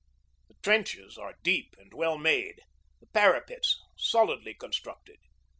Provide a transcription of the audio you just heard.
The trenches are deep and well made, the parapets solidly constructed.